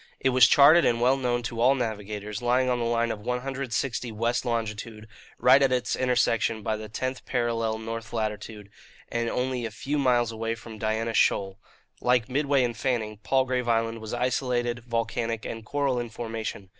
It was charted and well known to all navigators, lying on the line of 160 west longitude, right at its intersection by the tenth parallel north latitude, and only a few miles away from Diana Shoal. Like Midway and Fanning, Palgrave Island was isolated, volcanic and coral in formation.